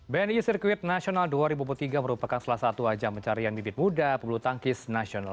bni sirkuit nasional dua ribu tiga merupakan salah satu ajang pencarian bibit muda pebulu tangkis nasional